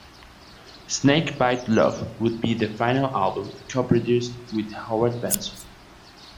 "Snake Bite Love" would be the final album co-produced with Howard Benson.